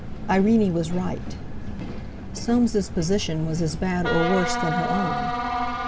Irene was right; Soames' position was as bad or worse than her own.